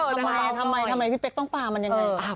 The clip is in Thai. ทำไมทำไมพี่เป๊กต้องปลามันยังไง